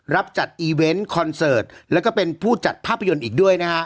รับจัดอีเวนต์คอนเสิร์ตแล้วก็เป็นผู้จัดภาพยนตร์อีกด้วยนะฮะ